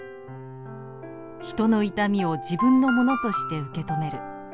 人の痛みを自分のものとして受け止める。